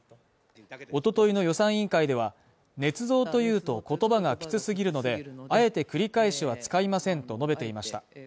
おとといの予算委員会では、捏造と言うと、言葉がきつすぎるので、あえて繰り返しは使いませんと述べていました